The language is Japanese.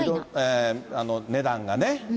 値段がね。